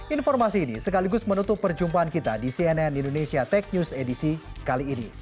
informasi ini sekaligus menutup perjumpaan kita di cnn indonesia tech news edisi kali ini